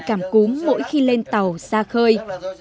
cảm cúm mỗi khi lên tàu ra khơi